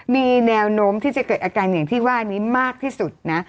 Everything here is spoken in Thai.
มีแนวโน้มที่จะเกิดอาการอย่างที่ว่านี้มากที่สุดนะ